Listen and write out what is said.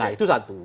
nah itu satu